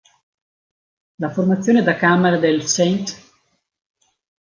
La formazione da camera del ”St.